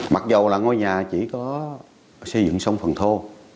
mặc dù là ngôi nhà chỉ có xây dựng xong phần thô